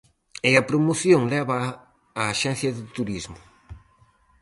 E a promoción lévaa a Axencia de Turismo.